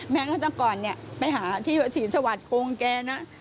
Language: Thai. แม้ก็ตั้งก่อนเนี่ยไปหาที่ศีลสวัสดิ์โครงแกนะ